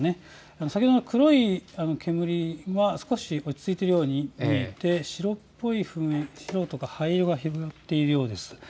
先ほどの黒い煙は少し落ち着いているように見えて白とか灰色の噴煙が広がっています。